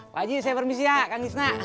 pak ji saya permisi ya kang isna